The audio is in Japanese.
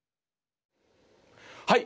はい。